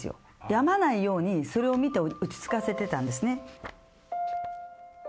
病まないようにそれを見て落ち着かせてたんですね